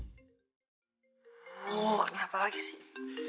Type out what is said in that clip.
loh kenapa lagi sih